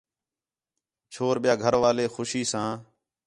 چھور ٻِیا گھر والے خوشی ساں